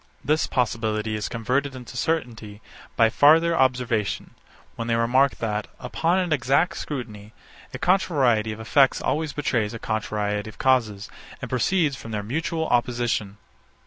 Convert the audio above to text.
This possibility is converted into certainty by farther observation, when they remark that, upon an exact scrutiny, a contrariety of effects always betrays a contrariety of causes, and proceeds from their mutual opposition.